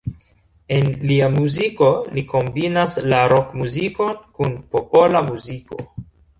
En lia muziko li kombinas la rok-muzikon kun popola muziko.